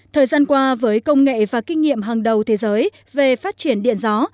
thời gian qua với công nghệ và kinh nghiệm hàng đầu thế giới về phát triển điện gió